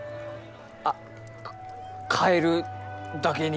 あっ、かえるだけに。